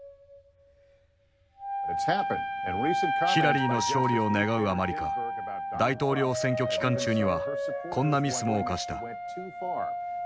ヒラリーの勝利を願うあまりか大統領選挙期間中にはこんなミスも犯した。